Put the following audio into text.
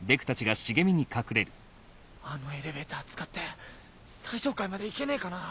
あのエレベーター使って最上階まで行けねえかな。